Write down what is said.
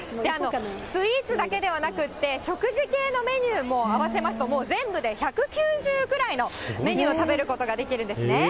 スイーツだけではなくって、食事系のメニューも合わせますともう、全部で１９０ぐらいのメニューを食べることができるんですね。